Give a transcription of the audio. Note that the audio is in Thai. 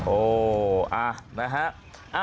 โอ้นะฮะ